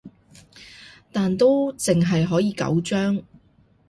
但都淨係可以九張